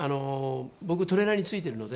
僕トレーナーについてるので。